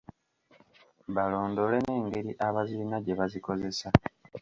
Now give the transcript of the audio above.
Balondoole n’engeri abazirina gye bazikozesa.